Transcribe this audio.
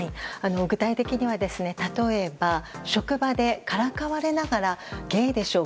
具体的には例えば職場でからかわれながらゲイでしょ？